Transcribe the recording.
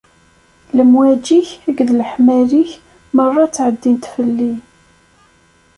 Lemwaǧi-k akked leḥmali-k merra ttɛeddint fell-i.